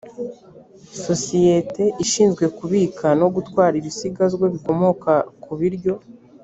sosiyete ishinzwe kubika no gutwara ibisigazwa bikomoka ku biryo